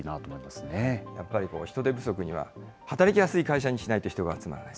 やっぱり人手不足には、働きやすい会社にしないと人が集まらない。